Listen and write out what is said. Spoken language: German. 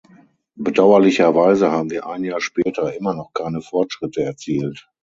Bedauerlicherweise haben wir ein Jahr später immer noch keine Fortschritte erzielt.